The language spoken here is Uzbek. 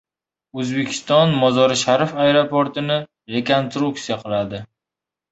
O‘zbekiston Mozori Sharif aeroportini rekonstruksiya qiladi